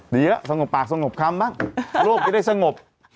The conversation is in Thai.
ดีแล้วสงบปากสงบคำป่ะร่วมก็ได้สงบ